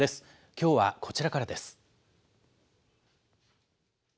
きょうはこちらからです。